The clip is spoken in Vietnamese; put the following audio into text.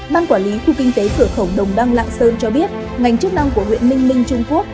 ban quản lý khu kinh tế cửa khẩu đồng đăng lạng sơn cho biết ngành chức năng của huyện ninh minh trung quốc